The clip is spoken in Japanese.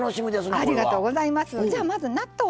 ありがとうございます。